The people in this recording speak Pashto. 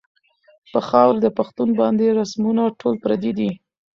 پۀ خاؤره د پښتون باندې رسمونه ټول پردي دي